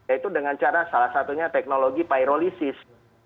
itu dengan cara salah satunya teknologi payrolisis